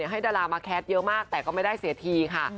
ให้ดารามาแคสเยอะมากแต่ก็ไม่ได้เสียทีค่ะ